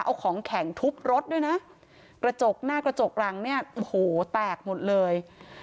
เอาของแข็งทุบรถด้วยนะกระจกหน้ากระจกหลังเนี่ยโอ้โหแตกหมดเลย